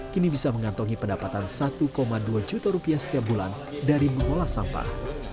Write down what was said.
kini bisa mengantongi pendapatan satu dua juta rupiah setiap bulan dari mengolah sampah